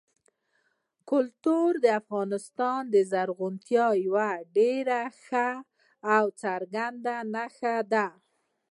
کلتور د افغانستان د زرغونتیا یوه ډېره ښه او څرګنده نښه ده.